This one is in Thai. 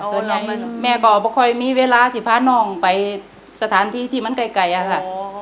เซอร์ไนท์แม่ก่อประคอยมีเวลาจะพานองไปสถานที่ที่มันไกลอะค่ะ